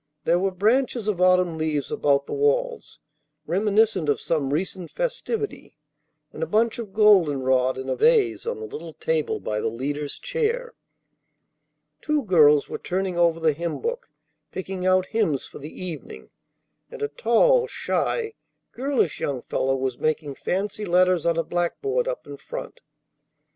There were branches of autumn leaves about the walls, reminiscent of some recent festivity, and a bunch of golden rod in a vase on the little table by the leader's chair. Two girls were turning over the hymn book, picking out hymns for the evening; and a tall, shy, girlish young fellow was making fancy letters on a blackboard up in front.